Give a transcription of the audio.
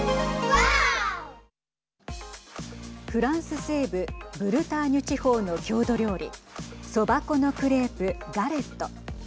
フランス西部ブルターニュ地方の郷土料理そば粉のクレープ、ガレット。